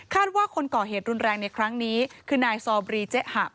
ว่าคนก่อเหตุรุนแรงในครั้งนี้คือนายซอบรีเจ๊หะ